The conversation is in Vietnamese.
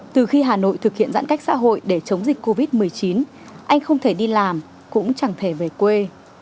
từ khi hà nội thực hiện giãn cách xã hội để chống dịch covid một mươi chín anh không thể đi làm cũng chẳng thể về quê